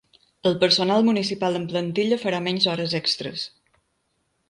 El personal municipal en plantilla farà menys hores extres.